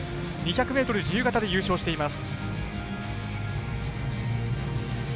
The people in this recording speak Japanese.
２００ｍ自由形で優勝しています。